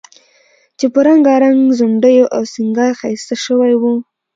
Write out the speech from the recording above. چې په رنګارنګ ځونډیو او سینګار ښایسته شوی و،